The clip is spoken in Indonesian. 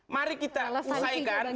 mari kita selesaikan